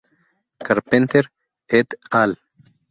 Carpenter "et al.